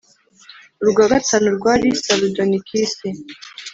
urwa gatanu rwari sarudonikisi,